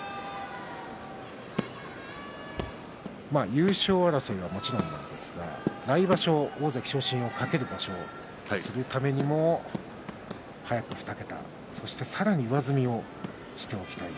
優勝争いはもちろんなんですが来場所、大関昇進を懸ける場所にするためにも早く２桁、そしてさらに上積みをしておきたい。